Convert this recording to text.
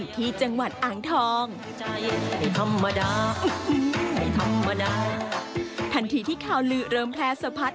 ทันทีที่ข่าวลือเริ่มแพร่สะพัด